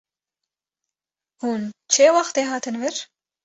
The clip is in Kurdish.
Hûn çê wextê hatin vir?